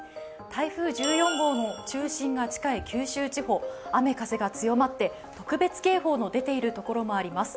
台風１４号の中心が近い九州地方、雨風が強まって特別警報の出ている所もあります。